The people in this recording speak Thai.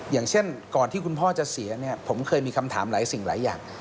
อย่างเช่นก่อนที่คุณพ่อจะเสียเนี่ยผมเคยมีคำถามหลายสิ่งหลายอย่าง